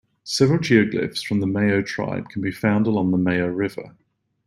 Several geoglyphs from the Mayo tribe can be found along the Mayo River.